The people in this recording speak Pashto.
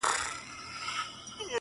د سكون له سپينه هــاره دى لوېـدلى،